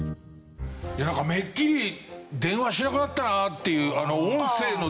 なんかめっきり電話しなくなったなっていう音声の電話を。